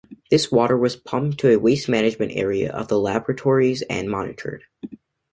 This water was pumped to a waste management area of the Laboratories and monitored.